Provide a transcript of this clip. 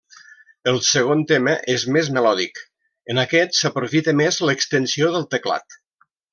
El segon tema és més melòdic; en aquest s'aprofita més l'extensió del teclat.